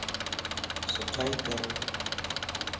سٺائي ڪر